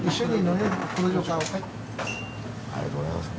ありがとうございます。